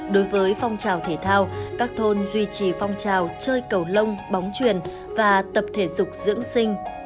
đối với phong trào thể thao các thôn duy trì phong trào chơi cầu lông bóng truyền và tập thể dục dưỡng sinh